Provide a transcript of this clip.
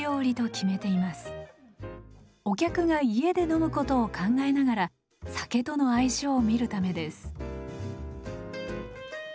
お客が家で飲むことを考えながら酒との相性を見るためです。